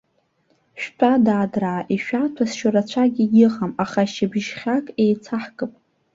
Шәтәа, дадраа, ишәаҭәасшьо рацәак егьыҟам, аха шьыбжьхьак еицаҳкып.